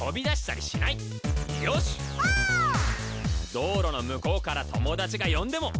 道路の向こうから友達が呼んでも！